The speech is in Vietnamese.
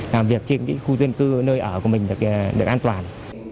làm việc trên khu dân cư nơi ở của mình được an toàn